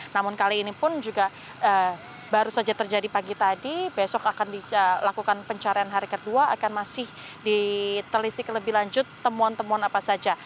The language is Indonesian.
namun kali ini pun juga baru saja terjadi pagi tadi besok akan dilakukan pencarian hari kedua akan masih ditelisik lebih lanjut temuan temuan apa saja